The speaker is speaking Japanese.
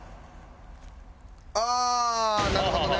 ああーなるほどね。